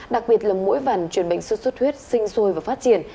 đặc biệt là mũi vằn chuyển bệnh xuất xuất huyết sinh sôi và phát triển